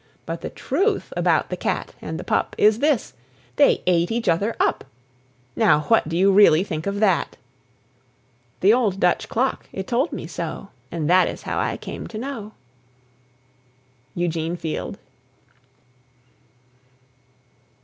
But the truth about the cat and the pup Is this: They ate each other up! Now what do you really think of that! (The old Dutch clock it told me so, And that is how I came to know.) EUGENE FIELD.